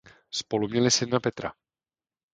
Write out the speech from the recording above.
Spolu měli syna Petra.